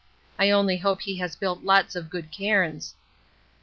I only hope he has built lots of good cairns.